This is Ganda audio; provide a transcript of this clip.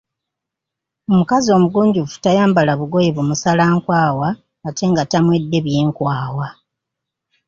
Omukazi omugunjufu tayambala bugoye bumusala nkwawa ate nga tamwedde byenkwawa.